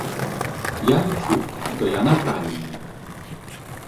Я лічу, што яна правільная.